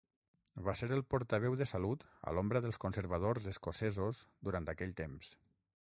Va ser el portaveu de salut a l'ombra dels Conservadors escocesos durant aquell temps.